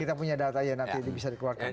kita punya data ya nanti bisa dikeluarkan ya